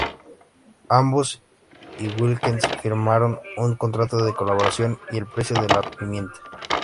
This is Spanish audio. Ambos y Wilkens firmaron un contrato de colaboración y el precio de la pimienta.